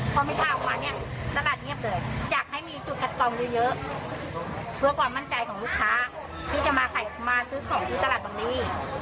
พอไม่พาออกมาเนี่ยตลาดเงียบเลยอยากให้มีจุดคัดกรองเยอะเพื่อความมั่นใจของลูกค้าที่จะมาซื้อของที่ตลาดบางดี